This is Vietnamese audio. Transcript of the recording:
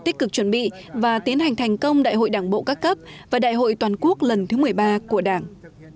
tích cực chuẩn bị và tiến hành thành công đại hội đảng bộ các cấp và đại hội toàn quốc lần thứ một mươi ba của đảng